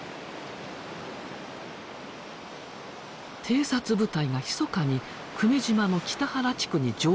偵察部隊がひそかに久米島の北原地区に上陸。